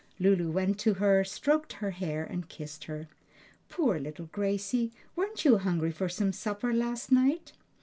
Lulu went to her, stroked her hair, and kissed her. "Poor little Gracie! weren't you hungry for some supper last night?"